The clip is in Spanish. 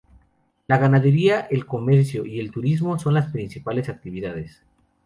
La ganadería, el comercio, y el turismo son las principales actividades.